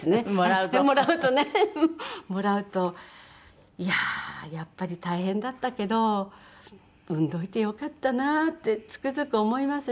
もらうといやーやっぱり大変だったけど産んどいてよかったなってつくづく思いますし。